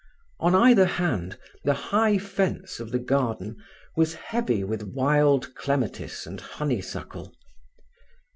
On either hand the high fence of the garden was heavy with wild clematis and honeysuckle.